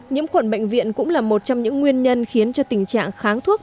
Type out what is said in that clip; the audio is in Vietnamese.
nhiễm khuẩn bệnh viện cũng là một trong những nguyên nhân khiến cho tình trạng kháng thuốc